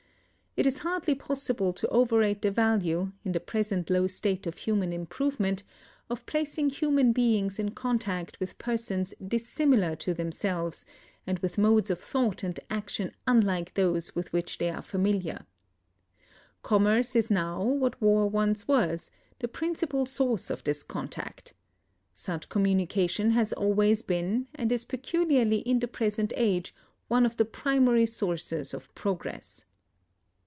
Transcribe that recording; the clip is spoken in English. It is hardly possible to overrate the value, in the present low state of human improvement, of placing human beings in contact with persons dissimilar to themselves, and with modes of thought and action unlike those with which they are familiar. Commerce is now, what war once was, the principal source of this contact. Such communication has always been, and is peculiarly in the present age, one of the primary sources of progress.